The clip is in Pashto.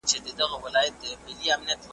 نوي میتودونه وکاروئ.